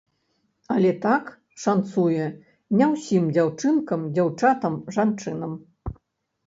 Але так шанцуе не ўсім дзяўчынкам, дзяўчатам, жанчынам.